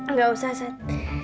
nggak usah sat